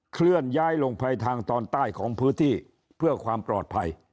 เคลื่อนย้ายลงไปทางตอนใต้ของพื้นที่เพื่อความปลอดภัย